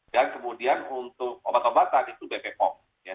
dan kemudian untuk obat obatan itu bpom